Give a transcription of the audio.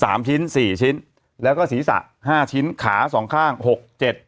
สามชิ้นสี่ชิ้นแล้วก็ศีรษะห้าชิ้นขาสองข้างหกเจ็ด